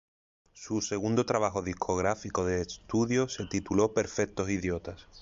Su segundo trabajo discográfico de estudio, se tituló "Perfectos Idiotas".